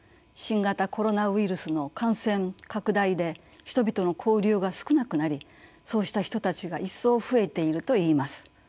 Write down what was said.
新型コロナウイルスの感染拡大で人々の交流が少なくなりそうした人たちが一層増えているといいます。